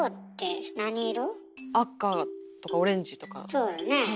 そうよね。